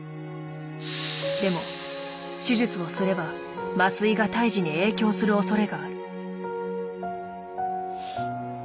でも手術をすれば麻酔が胎児に影響するおそれがある。